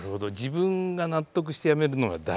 自分が納得してやめるのが大事。